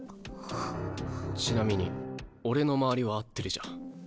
ちなみに俺の周りは合ってるじゃ。